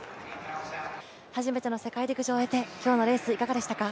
初めての世界陸上を経て今日のレースはいかがでしたか？